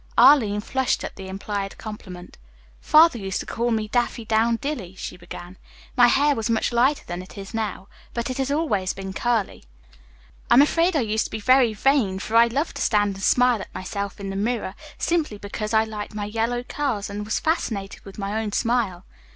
Arline flushed at the implied compliment. "Father used to call me 'Daffydowndilly,'" she began. "My hair was much lighter than it is now, but it has always been curly. I am afraid I used to be very vain, for I loved to stand and smile at myself in the mirror simply because I liked my yellow curls and was fascinated with my own smile.